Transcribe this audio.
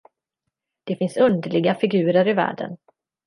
Det finns underliga figurer i världen.